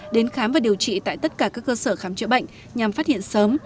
đến khám và điều trị tại tất cả các cơ sở khám chữa bệnh nhằm phát hiện sớm